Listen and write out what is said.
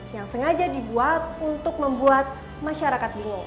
yang sengaja dibuat untuk membuat masyarakat bingung